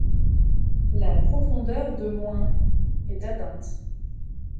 La profondeur de - est atteinte.